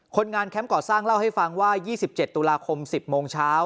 คนงานแคมป์ก่อสร้างเล่าให้ฟังว่า๒๗ตุลาคม๑๐โมงเช้า